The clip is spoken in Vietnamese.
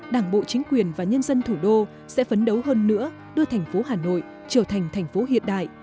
đảng bộ chính quyền và nhân dân thủ đô sẽ phấn đấu hơn nữa đưa thành phố hà nội trở thành thành phố hiện đại